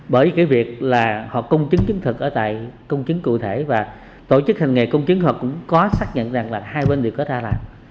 bởi cái việc là họ công chứng chứng thực ở tại công chứng cụ thể và tổ chức hành nghề công chứng họ cũng có xác nhận rằng là hai bên đều có ra làm